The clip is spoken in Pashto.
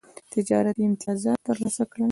تجارتي امتیازات ترلاسه کړل.